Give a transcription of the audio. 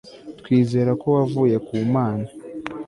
twizera ko wavuye ku Mana